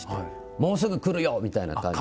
「もうすぐ来るよ」みたいな感じで。